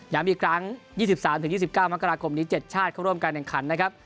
อีกครั้ง๒๓๒๙มกราคมนี้๗ชาติเข้าร่วมการแข่งขันนะครับ